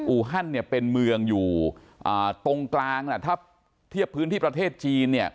อูฮั่นเป็นเมืองอยู่ตรงกลางถ้าเทียบพื้นที่ประเทศจีน